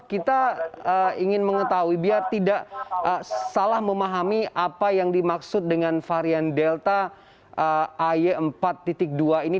kita ingin mengetahui biar tidak salah memahami apa yang dimaksud dengan varian delta ay empat dua ini